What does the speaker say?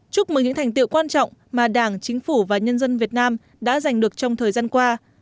chúc mừng những thành tiệu quan trọng mà đảng chính phủ và nhân dân việt nam đã giành được trong thời gian qua